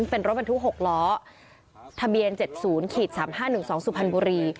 เป็นรถบรรทุกหกล้อทะเบียนเจ็ดศูนย์ขีดสามห้าหนึ่งสองสุพรรณบุรี